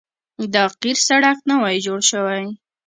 دا قیر سړک نوی جوړ شوی